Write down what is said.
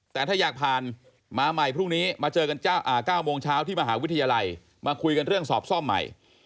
แต่ถ้าอยากผ่านมาใหม่พรุ่งนี้มาเจอกัน๙โมงเช้าที่มหาวิทยาลัยมาคุยกันเรื่องสอบซ่อมใหม่